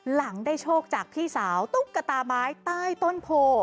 หลังได้โชคจากพี่สาวตุ๊กตาไม้ใต้ต้นโพ